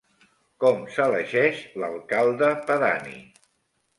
Com s'elegeix l'alcalde pedani?